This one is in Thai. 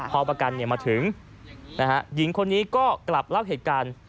พอประกันมาถึงหญิงคนนี้ก็กลับเล่าเหตุการณ์